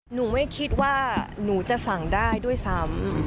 หนูไม่คิดว่าหนูจะสั่งได้ด้วยซ้ำ